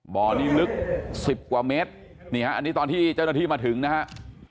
บ่อนี้ลึก๑๐กว่าเมตรนี่ฮะอันนี้ตอนที่เจ้าหน้าที่มาถึงนะฮะ